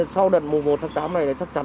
sau đợt mùa một tháng tám này chắc chắn